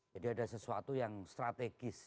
jadi ada sesuatu yang strategis